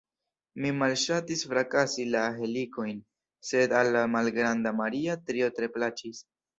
Mi malŝatis frakasi la helikojn, sed al la malgranda Maria tio tre plaĉis.